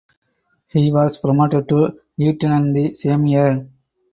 He was promoted to lieutenant the same year.